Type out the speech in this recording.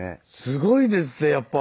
すごいですねやっぱ。